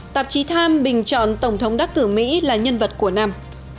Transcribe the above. tạp chí times bình chọn tổng thống đắc cử mỹ là nhân vật của năm